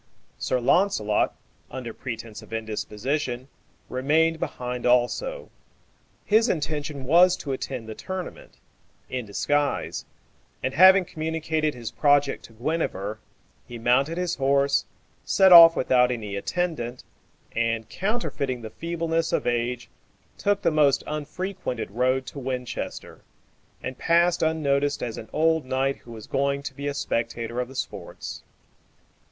Sir Launcelot, under pretence of indisposition, remained behind also. His intention was to attend the tournament in disguise; and having communicated his project to Guenever, he mounted his horse, set off without any attendant, and, counterfeiting the feebleness of age, took the most unfrequented road to Winchester, and passed unnoticed as an old knight who was going to be a spectator of the sports.